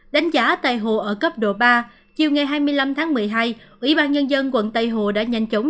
đánh giá tài hồ ở cấp độ ba chiều ngày hai mươi năm tháng một mươi hai ủy ban nhân dân quận tây hồ đã nhanh chóng